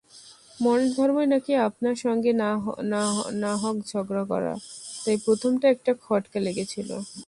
মনের ধর্মই নাকি আপনার সঙ্গে না-হক ঝগড়া করা, তাই প্রথমটা একটা খটকা লেগেছিল।